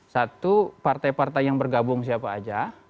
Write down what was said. satu partai partai yang bergabung siapa aja